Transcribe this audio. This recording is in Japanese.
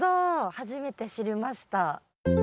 初めて知りました。